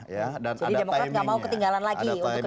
jadi demokrat nggak mau ketinggalan lagi untuk kedua kalinya